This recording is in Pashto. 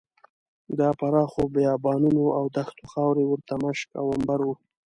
د پراخو بیابانونو او دښتونو خاورې ورته مشک او عنبر وو.